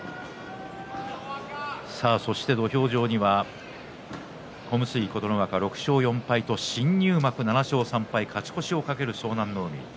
土俵上には小結琴ノ若６勝４敗と新入幕、勝ち越しを懸ける湘南乃海。